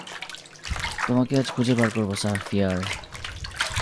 তোমাকে আজ খুঁজে বার করব, সারাহ ফিয়ার!